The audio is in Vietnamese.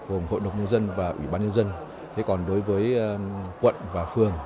ủy ban nhân dân thế còn đối với quận và phường